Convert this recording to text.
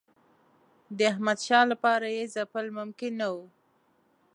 د احمدشاه لپاره یې ځپل ممکن نه وو.